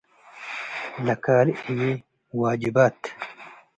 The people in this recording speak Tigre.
ለካልእ ህዬ ዋጅባት ።